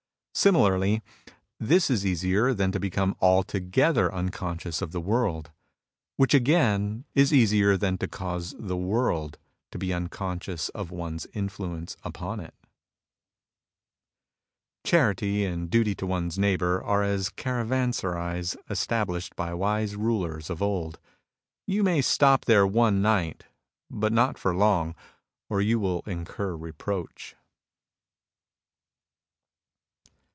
Similarly, this is easier than to become altogether unconscious of the world, which again is easier than to cause the world to be unconscious of one's influence upon it. Charity and duty to one's neighbour are as caravanserais established by wise rulers of old ; you may stop there one night, but not for long, or you will incur reproach.